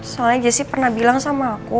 soalnya jessi pernah bilang sama aku